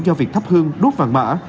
do việc thấp hương đốt vàng mã